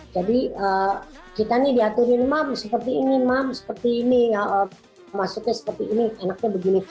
jadi kita nih diaturin mam seperti ini mam seperti ini maksudnya seperti ini enaknya begini